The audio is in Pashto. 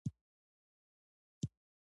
حج د اسلام د پنځو بناوو څخه دی.